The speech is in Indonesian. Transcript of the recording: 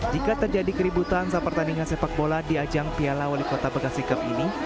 jika terjadi keributan saat pertandingan sepak bola di ajang piala wali kota bekasi cup ini